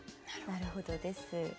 なるほどです。